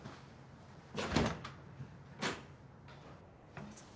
どうぞ。